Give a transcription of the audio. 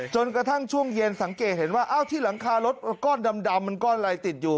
จนกระทั่งช่วงเย็นสังเกตเห็นว่าที่หลังคารถก้อนดำมันก้อนอะไรติดอยู่